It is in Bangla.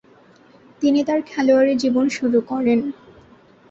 তিনি তার খেলোয়াড়ী জীবন শুরু করেন।